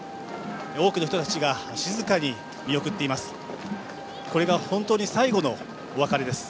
多くの人たちが静かに見送っています。